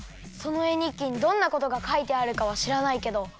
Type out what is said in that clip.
そのえにっきにどんなことがかいてあるかはしらないけど